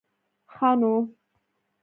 ښه نو.